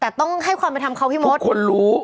แต่ต้องให้ความเป็นธรรมเขาพี่มดคนรู้